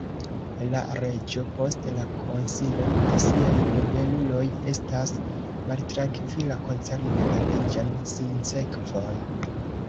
La reĝo post la konsilo de siaj nobeluloj estas maltrankvila koncerne la reĝan sinsekvon.